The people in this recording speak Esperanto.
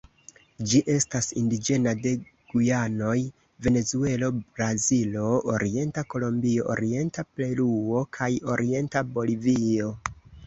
Ĝi estas indiĝena de Gujanoj, Venezuelo, Brazilo, orienta Kolombio, orienta Peruo, kaj orienta Bolivio.